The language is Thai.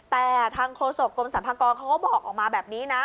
แต่ทางโครโสปกรมสัมพันธ์กรเขาก็บอกออกมาแบบนี้นะ